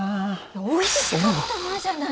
「おいしかったな」じゃないよ！